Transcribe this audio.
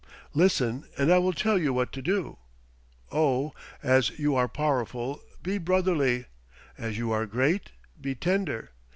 Listen, and I will tell you what to do. Oh! as you are powerful, be brotherly; as you are great, be tender.